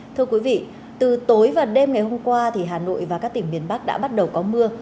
thưa quý vị từ tối và đêm ngày hôm qua hà nội và các tỉnh miền bắc đã bắt đầu có mưa